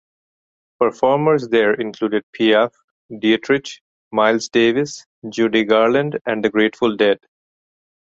Performers there included Piaf, Dietrich, Miles Davis, Judy Garland and the Grateful Dead.